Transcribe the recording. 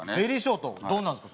どんなんですか？